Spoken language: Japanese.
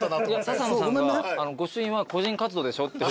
笹野さんが御朱印は個人活動でしょって。